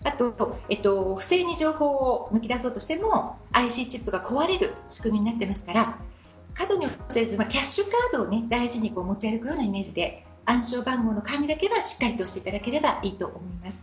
不正に情報を抜き出そうとしてもＩＣチップが壊れる仕組みになってますからキャッシュカードを大事に持ち歩くようなイメージで暗証番号の管理だけはしっかりしていただければいいと思います。